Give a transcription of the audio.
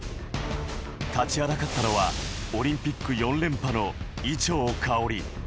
立ちはだかったのはオリンピック４連覇の伊調馨。